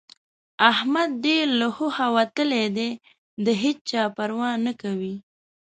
احمد ډېر له هوښه وتلی دی؛ د هيچا پروا نه کوي.